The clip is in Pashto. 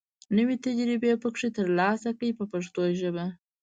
نوې تجربې پکې تر لاسه کړي په پښتو ژبه.